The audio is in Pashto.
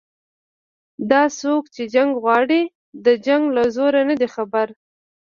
دا څوک چې جنګ غواړي د جنګ له زوره نه دي خبر